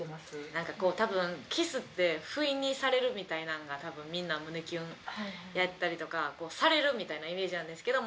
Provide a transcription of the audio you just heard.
なんかこう多分キスって不意にされるみたいなのが多分みんな胸キュンやったりとかされるみたいなイメージなんですけど。